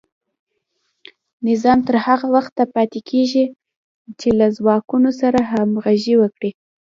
نظام تر هغه وخته پاتې کیږي چې له ځواکونو سره همغږی وي.